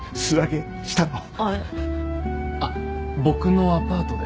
あっ僕のアパートで。